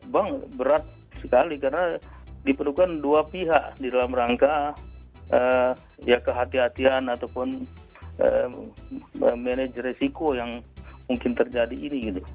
bank berat sekali karena diperlukan dua pihak di dalam rangka ya kehatian ataupun manajer resiko yang mungkin terjadi ini gitu